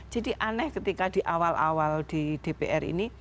jadi aneh ketika di awal awal di dpr ini